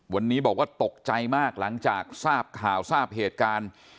วันนี้บอกว่าตกใจมากหลังจากทราบข่าวทราบเหตุการณ์